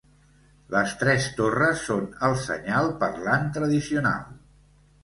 Les tres torres són el senyal parlant tradicional.